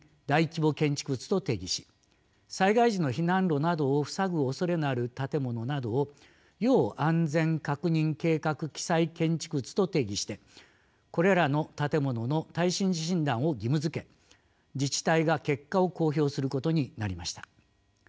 大規模建築物と定義し災害時の避難路などを塞ぐおそれのある建物などを要安全確認計画記載建築物と定義してこれらの建物の耐震診断を義務づけ自治体が結果を公表することになりました。